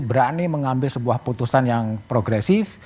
berani mengambil sebuah putusan yang progresif